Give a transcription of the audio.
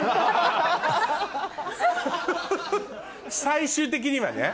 最終的にはね。